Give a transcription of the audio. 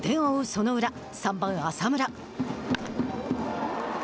その裏、３番浅村。